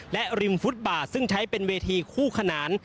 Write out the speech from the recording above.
และริมฟุตบาทซึ่งใช้เป็นเวทีคู่ขนาน